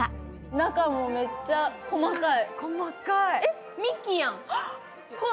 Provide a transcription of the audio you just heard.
中も、めっちゃ細かい。